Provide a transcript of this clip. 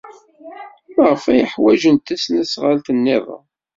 Maɣef ay ḥwajent tasnasɣalt niḍen?